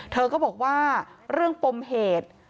เธอก็บอกว่าเรื่องปมเหตุ